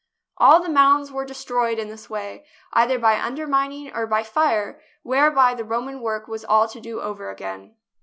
All the mounds were destroyed in this way, either by undermining or by fire, where by the Roman work was all to do over again.